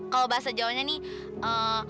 kalau bahasa jawa nya nih